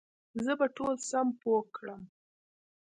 زه به ټول سم پوه کړم